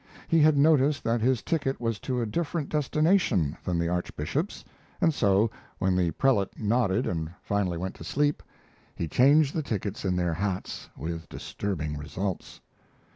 He had noticed that his ticket was to a different destination than the Archbishop's, and so, when the prelate nodded and finally went to sleep, he changed the tickets in their hats with disturbing results.